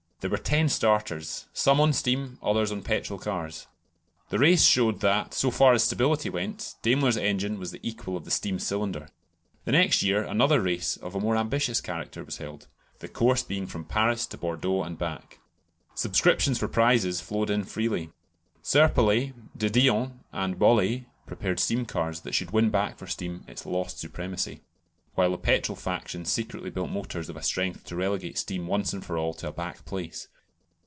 There were ten starters, some on steam, others on petrol cars. The race showed that, so far as stability went, Daimler's engine was the equal of the steam cylinder. The next year another race of a more ambitious character was held, the course being from Paris to Bordeaux and back. Subscriptions for prizes flowed in freely. Serpollet, de Dion, and Bollée prepared steam cars that should win back for steam its lost supremacy, while the petrol faction secretly built motors of a strength to relegate steam once and for all to a back place.